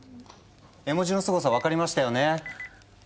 絵文字のすごさ分かりましたよね？